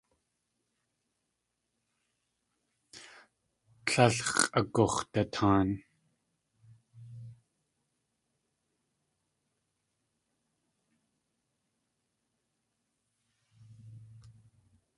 Tlél x̲ʼagux̲dataan.